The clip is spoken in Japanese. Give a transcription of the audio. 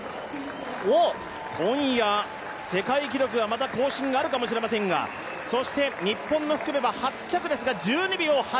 今夜、世界記録がまた更新があるかもしれませんが、日本の福部は８着ですが１２秒８２。